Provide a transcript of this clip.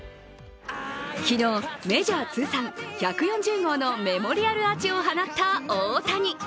昨日、メジャー通算１４０号のメモリアルアーチを放った大谷。